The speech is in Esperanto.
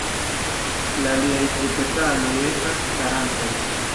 La aliaj tri petaloj estas starantaj.